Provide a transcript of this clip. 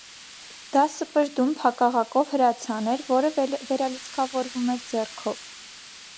Դա սպրդուն փակաղակով հրացան էր, որը վերալիցքավորվում էր ձեռքով։